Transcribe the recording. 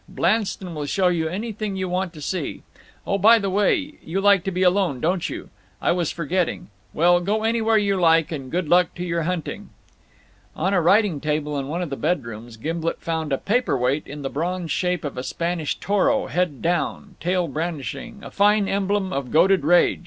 "Blanston will show you anything you want to see. Oh, by the by, you like to be alone, don't you? I was forgetting. Well, go anywhere you like; and good luck to your hunting!" On a writing table in one of the bedrooms, Gimblet found a paper weight in the bronze shape of a Spanish toro, head down, tail brandishing, a fine emblem of goaded rage.